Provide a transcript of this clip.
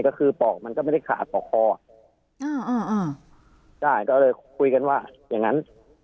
ก็คือปอกมันก็ไม่ได้ขาดปอกคออ่าใช่ก็เลยคุยกันว่าอย่างงั้น